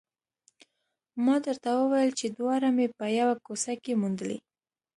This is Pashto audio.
ما درته وویل چې دواړه مې په یوه کوڅه کې موندلي